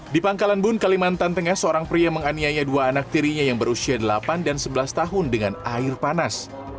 di pangkalan bun kalimantan tengah seorang pria menganiaya dua anak tirinya yang berusia delapan dan sebelas tahun dengan air panas